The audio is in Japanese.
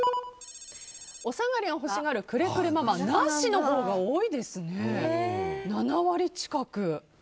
おさがりを欲しがるクレクレママなしのほうが多いですね、７割近く。